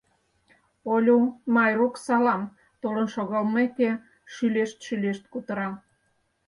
Олю, Майрук, салам! — толын шогалмеке, шӱлешт-шӱлешт кутыра.